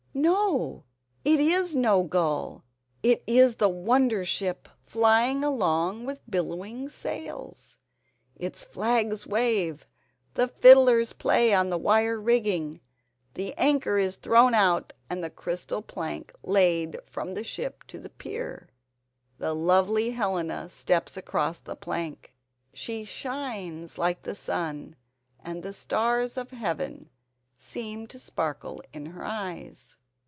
No, it is no gull, it is the wonder ship flying along with billowing sails. Its flags wave, the fiddlers play on the wire rigging, the anchor is thrown out and the crystal plank laid from the ship to the pier. The lovely Helena steps across the plank. She shines like the sun, and the stars of heaven seem to sparkle in her eyes.